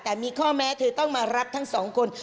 แต่มีข้อแม้เธอต้องมารับทั้งสองคน